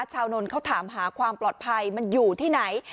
นนท์เขาถามหาความปลอดภัยมันอยู่ที่ไหน